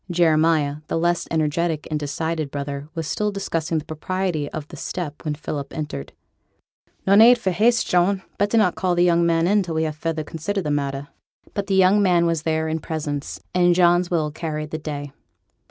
Jeremiah, the less energetic and decided brother, was still discussing the propriety of the step when Philip entered. 'No need for haste, John; better not call the young man till we have further considered the matter.' But the young man was there in presence; and John's will carried the day.